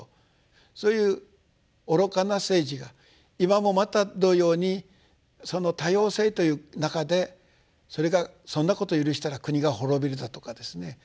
そういう愚かな政治が今もまた同様にその多様性という中でそれがそんなこと許したら国が滅びるだとかですね